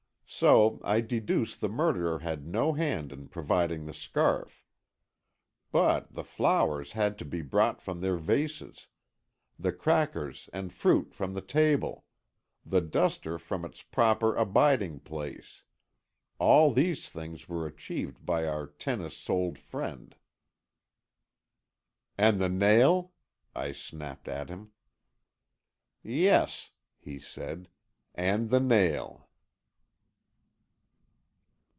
So, I deduce the murderer had no hand in providing the scarf. But the flowers had to be brought from their vases, the crackers and fruit from the table, the duster from its proper abiding place, all these things were achieved by our tennis soled friend." "And the nail?" I snapped at him. "Yes," he said, "and the nail."